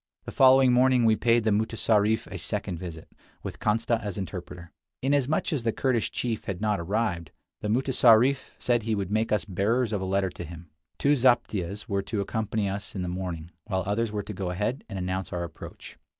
The following morning we paid the mutessarif a second visit, with Kantsa as interpreter. Inasmuch as the Kurdish chief had not arrived, the mutessarif said he would make us bearers of a letter to him. Two zaptiehs were to accompany us in the morning, while others were to go ahead and announce our approach.